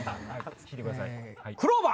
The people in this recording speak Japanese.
引いてください。